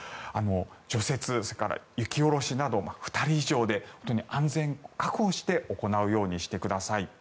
除雪、それから雪下ろしなど２人以上で安全を確保して行うようにしてください。